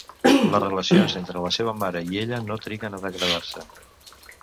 Les relacions entre la seva mare i ella no triguen a degradar-se.